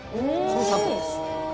この３頭です。